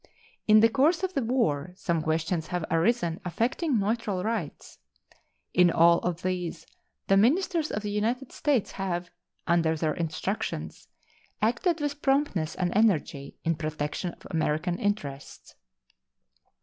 In the course of the war some questions have arisen affecting neutral rights. In all of these the ministers of the United States have, under their instructions, acted with promptness and energy in protection of American interests.